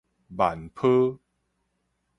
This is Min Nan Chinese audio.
萬波